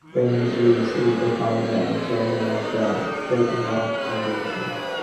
Franzese is the founder and chairman of the Breaking Out Foundation.